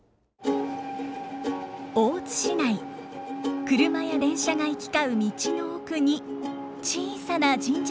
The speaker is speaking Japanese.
大津市内車や電車が行き交う道の奥に小さな神社があります。